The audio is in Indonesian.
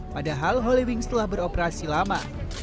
padahal holywings telah beroperasi lama